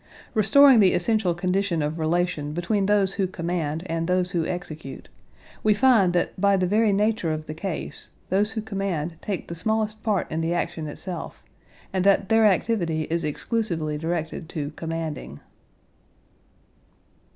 Restoring the essential condition of relation between those who command and those who execute, we find that by the very nature of the case those who command take the smallest part in the action itself and that their activity is exclusively directed to commanding.